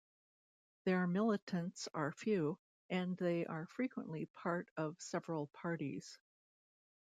Their militants are few, and they are frequently part of several parties.